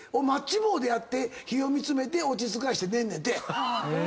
火を見つめて落ち着かして寝んねんて。